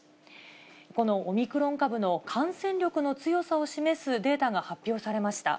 このオミクロン株の感染力の強さを示すデータが発表されました。